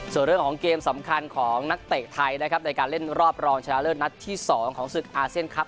ส่วนเรื่องของเกมสำคัญของนักเตะไทยนะครับในการเล่นรอบรองชนะเลิศนัดที่๒ของศึกอาเซียนครับ